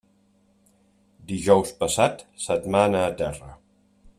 Dijous passat, setmana a terra.